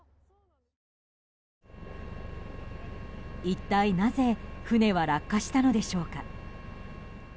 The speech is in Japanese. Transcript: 一体なぜ船は落下したのでしょうか。